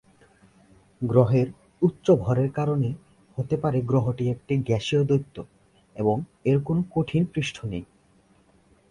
গ্রহের উচ্চ ভরের কারণে হতে পারে গ্রহটি একটি গ্যাসীয় দৈত্য এবং এর কোনো কঠিন পৃষ্ঠ নেই।